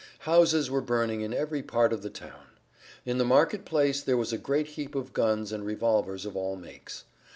Houses were burning in every part of the town. In the market place there was a great heap of guns and revolvers of all makes.